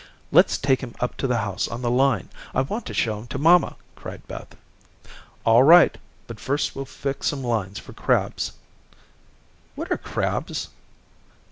"Let's take him up to the house on the line. I want to show him to mamma," cried Beth. "All right, but first we'll fix some lines for crabs." "What are crabs?"